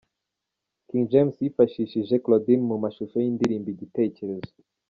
King James yifashishije Claudine mu mashusho y'indirimbo 'Igitekerezo.